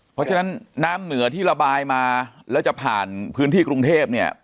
เพราะฉะนั้นน้ำเหนือที่ระบายมาแล้วจะผ่านพื้นที่กรุงเทพเนี่ย